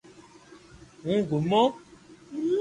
ھون گومو